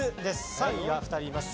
３位が２人います。